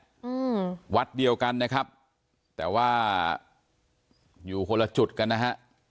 อืมวัดเดียวกันนะครับแต่ว่าอยู่คนละจุดกันนะฮะ